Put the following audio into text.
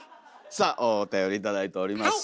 さあおたより頂いております。